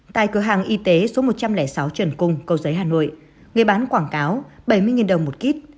tại cửa hàng y tế số một trăm linh sáu trần cung cầu giấy hà nội người bán quảng cáo bảy mươi đồng một kít